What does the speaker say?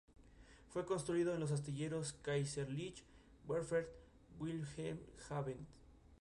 Fue construido en los astilleros Kaiserliche Werft de Wilhelmshaven.